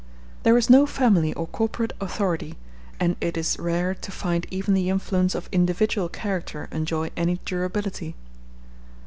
There is no family or corporate authority, and it is rare to find even the influence of individual character enjoy any durability.